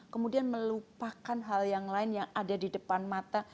kemudian melupakan hal yang lain yang ada di depan mata